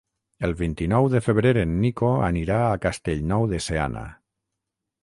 El vint-i-nou de febrer en Nico anirà a Castellnou de Seana.